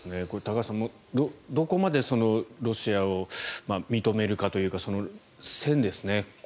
高橋さん、どこまでロシアを認めるかというか線ですね。